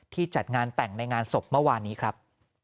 จัดงานแต่งในงานศพเมื่อวานนี้ครับ